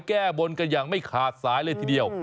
แก้บนกันอย่างไม่ขาดสายเลยทีเดียว